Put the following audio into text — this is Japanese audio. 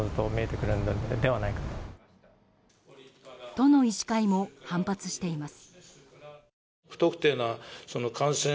都の医師会も反発しています。